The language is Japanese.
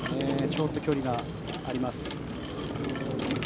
ちょっと距離があります。